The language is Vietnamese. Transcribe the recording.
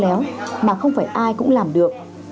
nhưng không phải ai cũng làm được